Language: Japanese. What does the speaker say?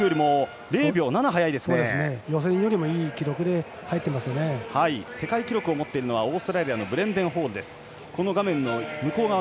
最初の５０ｍは世界記録よりも予選よりもいい記録で世界記録を持っているのはオーストラリアのブレンデン・ホール。